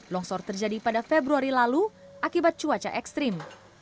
longsor terjadi pada februari lalu akibat cuaca ekstrim